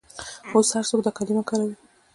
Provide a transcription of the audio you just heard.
اوس هر څوک دا کلمه کاروي.